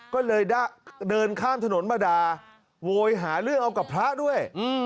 ก็เลยเดินข้ามถนนมาด่าโวยหาเรื่องเอากับพระด้วย